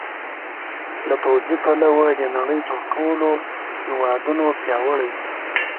له پوځي پلوه د نړۍ تر نورو ټولو هېوادونو پیاوړي وي.